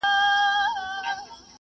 پلی تګ د شکر د کچې کمولو کې مرسته کوي.